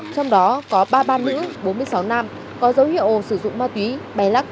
trong đó có ba ba nữ bốn mươi sáu nam có dấu hiệu sử dụng ma túy bày lắc